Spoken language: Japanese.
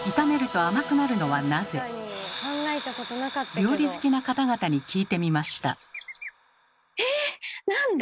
料理好きな方々に聞いてみました。